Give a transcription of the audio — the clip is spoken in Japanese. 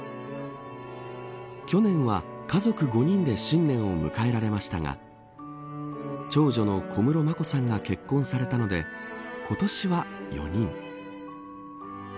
去年は、家族５人で新年を迎えられましたが長女の小室眞子さんが結婚されたので今年は４人。